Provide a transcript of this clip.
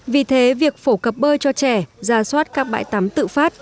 vì thế việc phổ cập bơi cho trẻ ra soát các bãi tắm tự phát